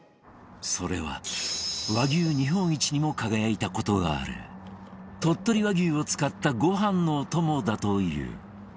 それは和牛日本一にも輝いた事がある鳥取和牛を使ったご飯のお供だという